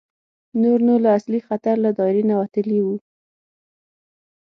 نور نو له اصلي خطر له دایرې نه وتلي وو.